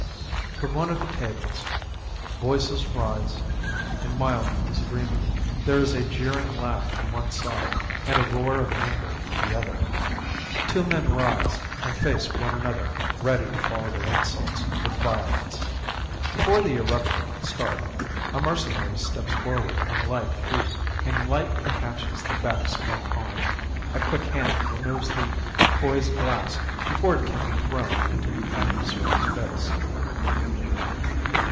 From one of the tables, voices rise in mild disagreement. There is a jeering laugh from one side and a roar of anger from the other. Two men rise and face one another ready to follow their insults with violence. Before the eruption can start, a mercenary steps forward on lithe feet and lightly catches the back swung arm, a quick hand removes the poised glass before it can be thrown into the adversary's face.